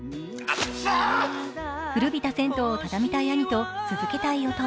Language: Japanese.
古びた銭湯をたたみたい兄と続けたい弟。